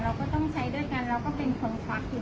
บอกว่าเป็นกวยผลูกเพราะมีเป็นร้านก็พอมี